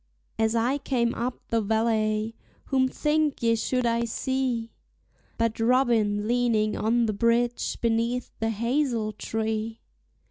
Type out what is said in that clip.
As I came up the valley, whom think ye should I see But Robin leaning on the bridge beneath the hazel tree?